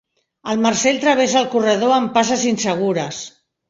El Marcel travessa el corredor amb passes insegures.